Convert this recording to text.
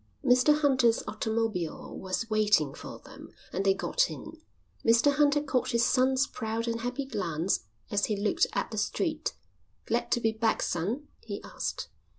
Mr Hunter's automobile was waiting for them and they got in. Mr Hunter caught his son's proud and happy glance as he looked at the street. "Glad to be back, son?" he asked.